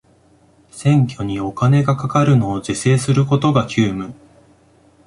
選挙にお金がかかるのを是正することが急務